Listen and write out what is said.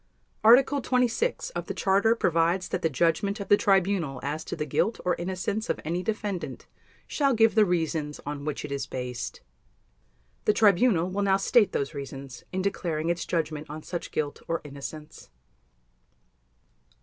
Article 26 of the Charter provides that the Judgment of the Tribunal as to the guilt or innocence of any Defendant shall give the reasons on which it is based. The Tribunal will now state those reasons in declaring its Judgment on such guilt or innocence.